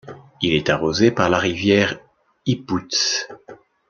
Il est arrosé par la rivière Ipouts.